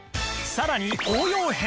さらに応用編